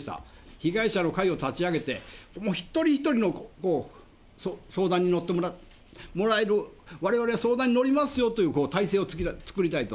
被害者の会を立ち上げて、一人一人の相談に乗ってもらえる、われわれ相談に乗りますよという体制を作りたいと。